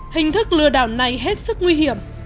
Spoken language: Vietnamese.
hình thức lừa đảo này hết sức nguy hiểm